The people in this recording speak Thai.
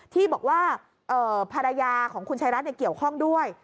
ที่บอกว่าภรรยาของคุณชายรัฐเกี่ยวข้องด้วย